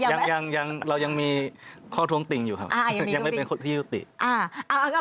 ยังไม่เป็นทางการเรายังมีข้อทรงติงอยู่ครับ